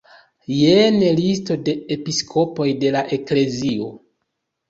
Jen listo de episkopoj de la eklezio.